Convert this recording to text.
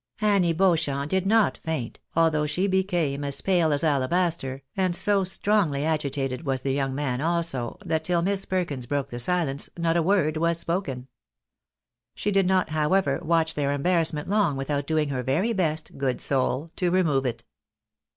Annie Beauchamp did not faint, although she became as pale as alabaster, and so strongly agitated was the young man also, that till Miss Perkins broke the silence, not a word was spoken. She did not, however, watch their embarrassment long without doing her very best, good soul, to remove it.